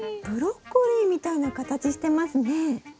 ブロッコリーみたいな形してますね。